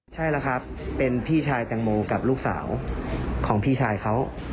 ใช่แล้วครับเป็นพี่ชายแตงโมกับลูกสาวของพี่ชายเขา